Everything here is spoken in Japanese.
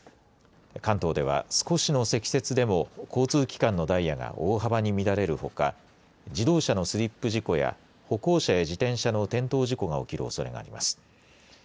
関東では少しの積雪でも交通機関のダイヤが大幅に乱れるほか自動車のスリップ事故や歩行者や自転車の転倒事故が起きるおそれがあります。